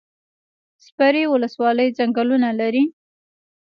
سپیرې ولسوالۍ ځنګلونه لري؟